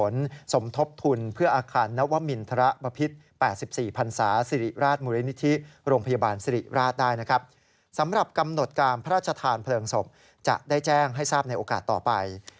และพระราชทานเผลิงศพจะได้แจ้งให้ทราบในโอกาสต่อไป